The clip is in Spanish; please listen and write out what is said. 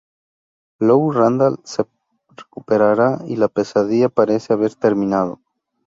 Lou Randall se recuperará y la pesadilla parece haber terminado.